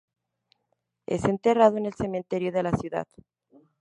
Es enterrado en el cementerio de la ciudad.